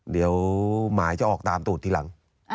เดี๋ยวหมายจะออกตามตรวจทีหลัง